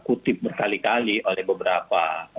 kutip berkali kali oleh beberapa